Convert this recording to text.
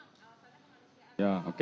tidak ditahan memang pada penghabiskan